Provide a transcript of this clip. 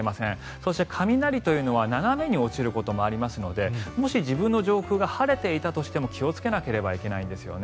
そして、雷というのは斜めに落ちることもありますのでもし自分の上空が晴れていたとしても気をつけなければいけないんですよね。